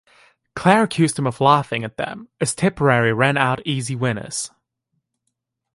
Clare accused him of laughing at them as Tipperary ran out easy winners.